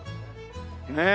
ねえ。